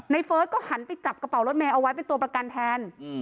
เฟิร์สก็หันไปจับกระเป๋ารถเมย์เอาไว้เป็นตัวประกันแทน